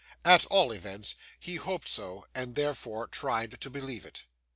At all events, he hoped so, and therefore tried to believe it.